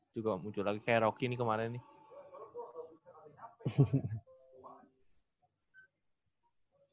juga muncul lagi kayak rocky nih kemarin nih